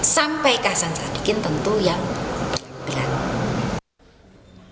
sampai hasan sadikin tentu yang berpilihan